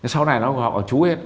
sau này nó gọi là chú hết